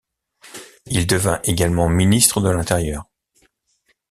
Il devint également ministre de l'Intérieur.